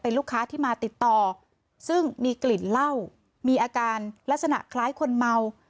ลูกค้าที่มาติดต่อซึ่งมีกลิ่นเหล้ามีอาการลักษณะคล้ายคนเมา